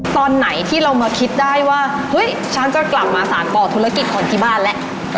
ตอนไหนที่เรามาคิดได้ว่าเฮ้ยฉันจะกลับมาสารต่อธุรกิจของที่บ้านแล้ว